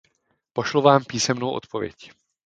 Pošlu vám písemnou odpověď.